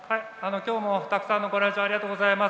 きょうもたくさんのご来場ありがとうございます。